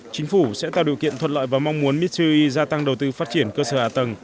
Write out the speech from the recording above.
chính phủ sẽ tạo điều kiện thuận lợi và mong muốn mitsui gia tăng đầu tư phát triển cơ sở hạ tầng